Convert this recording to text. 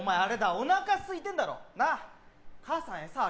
おなかすいてんだろなあ